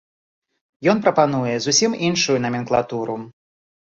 Ён прапануе зусім іншую наменклатуру.